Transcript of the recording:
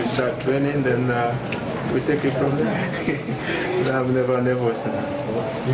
saya menanti antai kembali berlatih kemudian kita mengambilnya dari sana